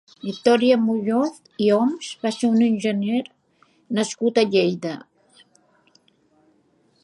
Victorià Muñoz i Oms va ser un enginyer nascut a Lleida.